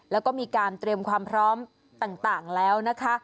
แล้วก็มีการเตรียมความพร้อมต่างแล้วนะคะ